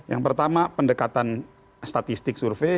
yang pertama pendekatan statistik survei